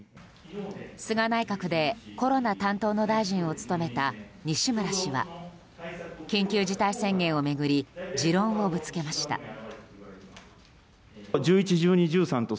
菅内閣でコロナ担当の大臣を務めた西村氏は緊急事態宣言を巡り持論をぶつけました。